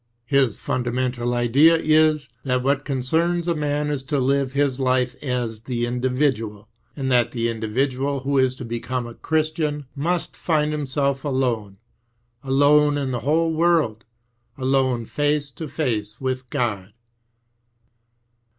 His fundamental idea is, that what concerns a man is to live his life as the individual, and that the indi DHTATIOX OF CUEIST, AND JUSTIFYING FAITH. 303 vidual w]io is to become a Cliristian must find himself alone, alone in tlie whole world, alone face to face with God.